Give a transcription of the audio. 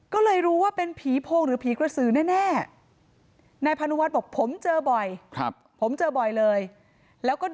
ก็เลยรู้ว่าเป็นผีพกหรือผีกระซือแน่